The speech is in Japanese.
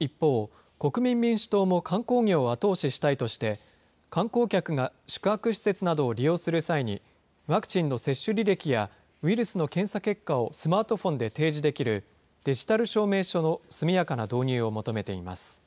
一方、国民民主党も観光業を後押ししたいとして、観光客が宿泊施設などを利用する際に、ワクチンの接種履歴やウイルスの検査結果をスマートフォンで提示できるデジタル証明書の速やかな導入を求めています。